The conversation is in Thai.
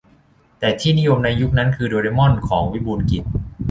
แต่ที่นิยมในยุคนั้นคือโดเรมอน ของวิบูลย์กิจ